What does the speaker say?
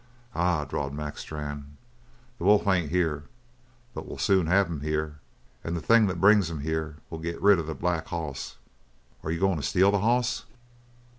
"Ah h!" drawled Mac Strann. "The wolf ain't here, but we'll soon have him here. And the thing that brings him here will get rid of the black hoss." "Are you goin' to steal the hoss?"